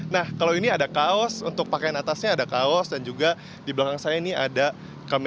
nah kalau ini ada kaos untuk pakaian atasnya ada kaos dan juga di belakang saya ini ada kamera